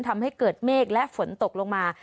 ทำให้เกิดเมฆและฝนตกลงมา